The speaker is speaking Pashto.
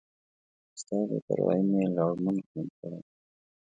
ستا بی پروایي می لړمون خوړین کړی